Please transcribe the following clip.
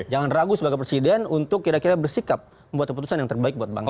jangan ragu sebagai presiden untuk kira kira bersikap membuat keputusan yang terbaik buat bangsa